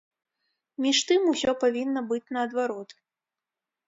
Між тым, усё павінна быць наадварот.